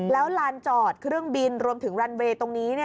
แล้วลานจอดเครื่องบินรวมถึงรันเวย์ตรงนี้